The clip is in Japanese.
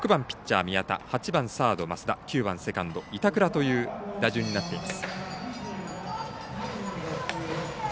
８番サード、増田９番セカンド、板倉という打順になっています。